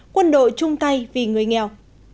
quân đội chung tay vì người nghèo